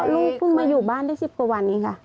ลูกเพิ่งมาอยู่บ้านได้๑๐กว่าวันนี้ค่ะ